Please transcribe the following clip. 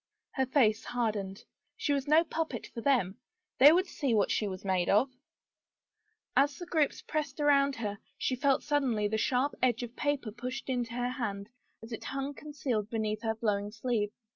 Her face hardened. She was no puppet for them. They would see what she was made of ! As the groups pressed around her, she felt suddenly the sharp edge of paper pushed into her hand as it hung concealed beneath her flowing sleeve.